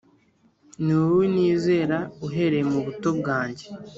Ni wowe nizera uhereye mu buto bwanjye